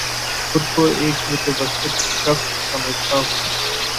خود کو ایک متوسط شخص سمجھتا ہوں